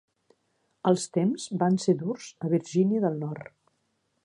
Els temps van ser durs a Virginia del Nord.